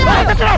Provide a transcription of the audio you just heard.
iya ada stres